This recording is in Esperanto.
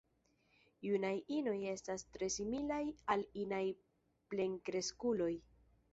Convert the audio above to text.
Junaj inoj estas tre similaj al inaj plenkreskuloj.